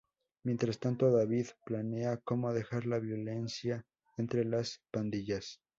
Mientras tanto, David planea cómo dejar la violencia entre las pandillas.